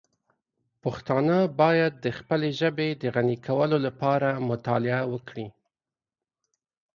پښتانه باید د خپلې ژبې د غني کولو لپاره مطالعه وکړي.